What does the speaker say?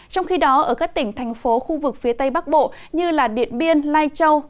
trong khi đó ở các tỉnh thành phố khu vực phía tây bắc bộ như điện biên lai châu